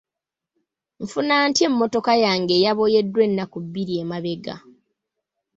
Nfuna ntya emmotoka yange eyaboyeddwa ennaku bbiri emabega?